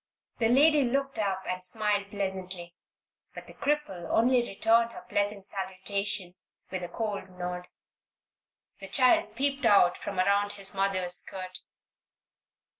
The lady looked up and smiled pleasantly, but the cripple only returned her pleasant salutation with a cold nod. The child peeped out from around his mother's skirt.